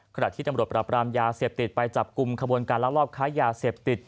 ขณะที่ตำรวจปรับรามยาเสพติดไปจับกลุ่มขบวนการลักลอบค้ายาเสพติด